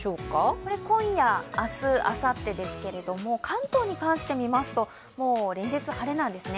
これは今夜、明日、あさってですけど、関東に関して見ますともう連日晴れなんですね。